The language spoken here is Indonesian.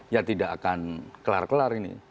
ya tidak akan kelar kelar ini